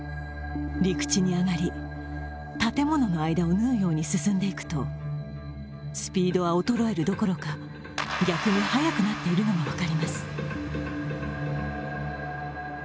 陸地に上がり、建物の間を縫うように進んでいくと、スピードは衰えるどころか逆に速くなっているのが分かります。